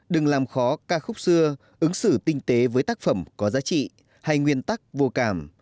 đừng làm khó ca khúc xưa ứng xử tinh tế với tác phẩm có giá trị hay nguyên tắc vô cảm